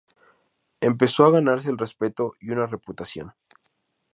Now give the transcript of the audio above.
Empezó a ganarse el respeto y una reputación.